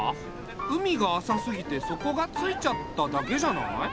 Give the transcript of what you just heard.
海があさすぎてそこがついちゃっただけじゃない？